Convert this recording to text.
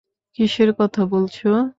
কিসের কথা বলছ?